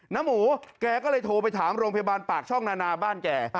หมูแกก็เลยโทรไปถามโรงพยาบาลปากช่องนานาบ้านแก